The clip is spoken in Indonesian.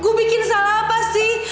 gue bikin salah apa sih